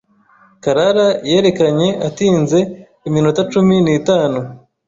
Karara yerekanye atinze iminota cumi nitanu.